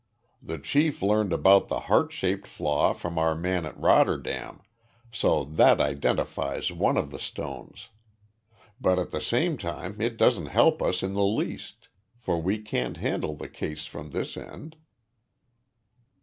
The chief learned about the heart shaped flaw from our man at Rotterdam, so that identifies one of the stones. But at the same time it doesn't help us in the least for we can't handle the case from this end."